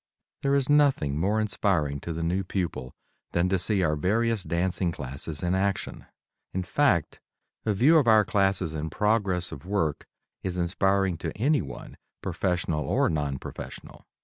There is nothing more inspiring to the new pupil than to see our various dancing classes in action. In fact, a view of our classes in progress of work is inspiring to anyone, professional or non professional.